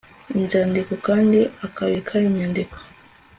inzandiko kandi akabika inyandiko